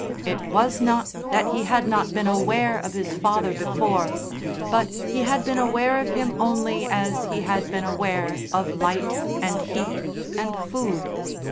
It was not that he had not been aware of his father before, but he had been aware of him only as he had been aware of light and heat and food.